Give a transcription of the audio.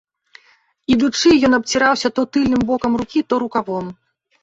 Ідучы, ён абціраўся то тыльным бокам рукі, то рукавом.